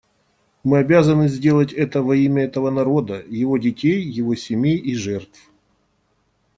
Мы обязаны сделать это во имя этого народа, его детей, его семей и жертв.